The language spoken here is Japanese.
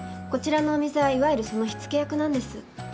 こちらのお店はいわゆるその火付け役なんです。